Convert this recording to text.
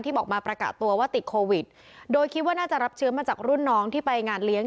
บอกมาประกาศตัวว่าติดโควิดโดยคิดว่าน่าจะรับเชื้อมาจากรุ่นน้องที่ไปงานเลี้ยง